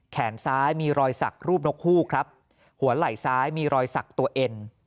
แขนซ้ายมีรอยสักรูปนกฮูกครับหัวไหล่ซ้ายมีรอยสักตัวเอ็น